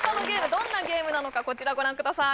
どんなゲームなのかこちらご覧ください